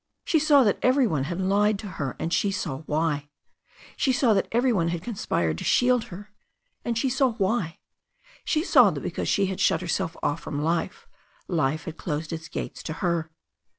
She saw that every one had lied to her and she saw why. She saw that every one had conspired to shield her and she saw why. She saw that because she had shut herself off from life life had closed its gates to her.